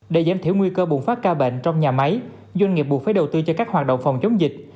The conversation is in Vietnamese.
để giảm thiểu nguy cơ bùng phát ca bệnh trong nhà máy doanh nghiệp buộc phải đầu tư cho các hoạt động phòng chống dịch